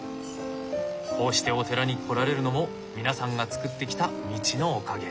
こうしてお寺に来られるのも皆さんが作ってきた道のおかげ。